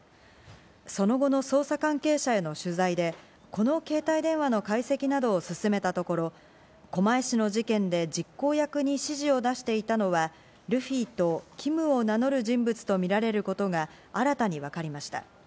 その後の捜査関係者への取材で、この携帯電話の解析などを進めたところ、狛江市の事件で実行役に指示を出していたのはルフィとＫＩＭを名乗る人物とみられることが新たに分かりました。